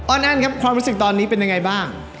แอ้นครับความรู้สึกตอนนี้เป็นยังไงบ้าง